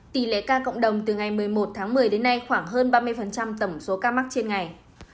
tỷ lệ ca cộng đồng từ ngày một mươi một tháng một mươi đến nay khoảng hơn ba mươi tổng số ca mắc trên ngày